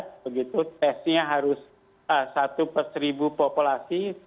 testnya harus satu per seribu populasi